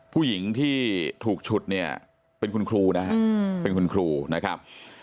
ผู้หญิงที่ถูกฉุดเนี่ยเป็นคุณครูนะครับ